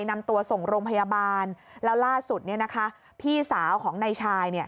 นำตัวส่งโรงพยาบาลแล้วล่าสุดพี่สาวของนายชาย